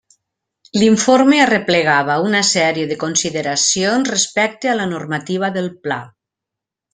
L'informe arreplegava una sèrie de consideracions respecte a la normativa del Pla.